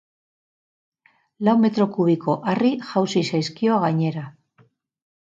Lau metro kubiko harri jausi zaizkio gainera.